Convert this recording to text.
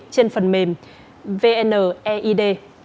trên phần mềm vneid